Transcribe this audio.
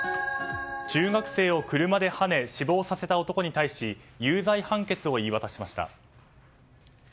中学生を車ではね死亡させた男に対し有罪判決を言い渡しました。